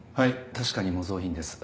確かに模造品です。